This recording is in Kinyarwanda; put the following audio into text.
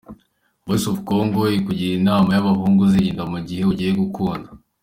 Voice of Congo ikugira inama y’abahungu uzirinda mu gihe ugiye gukunda.